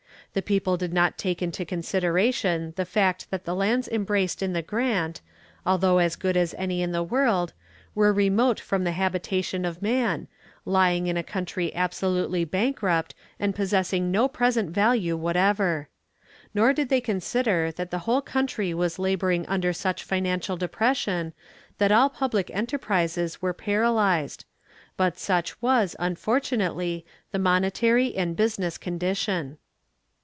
The people did not take into consideration the fact that the lands embraced in the grant, although as good as any in the world, were remote from the habitation of man, lying in a country absolutely bankrupt, and possessing no present value whatever. Nor did they consider that the whole country was laboring under such financial depression that all public enterprises were paralyzed; but such was, unfortunately, the monetary and business condition.